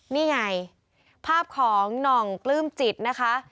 นี่ไงภาพของหน่องปลื้มจิตนะคะ